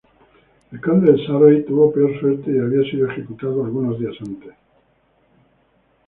El Conde de Surrey tuvo peor suerte y había sido ejecutado algunos días antes.